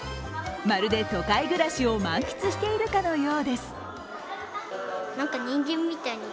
まるで都会暮らしを満喫しているかのようです。